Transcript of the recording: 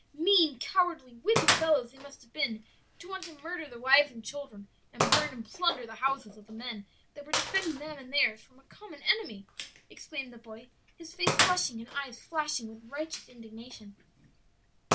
"Mean, cowardly, wicked fellows they must have been to want to murder the wives and children and burn and plunder the houses of the men that were defending them and theirs from a common enemy!" exclaimed the boy, his face flushing and eyes flashing with righteous indignation.